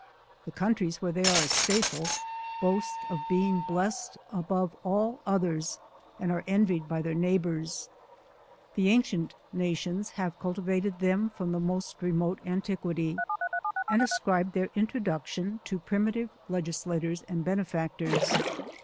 The countries where they are a staple, boast of being blessed above all others, and are envied by their neighbours. The ancient nations have cultivated them from the most remote antiquity, and ascribe their intro duction to primitive legislators and benefactors.